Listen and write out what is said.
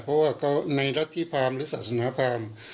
เพราะว่าเขาในรัฐธิพามหรือศาสนาพราม